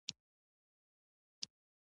څو ځله داسې وشول چې په دوو تنو مو پلي وړي وو.